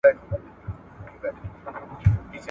زه اجازه لرم چي سفر وکړم!